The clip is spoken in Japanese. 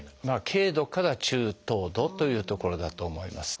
軽度から中等度というところだと思います。